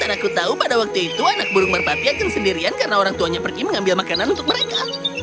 dan aku tahu pada waktu itu anak burung merpati akan sendirian karena orang tuanya pergi mengambil makanan untuk mereka